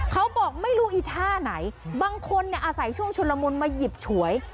เขาบอกไม่รู้อีท่าไหนบางคนอาศัยช่วงชุนละมุนมาหยิบฉวย